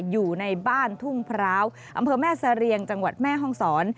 อยู่ในบ้านทุ่งพร้าวอำเภอแม่เสรียงจังหวัดแม่ห้องศร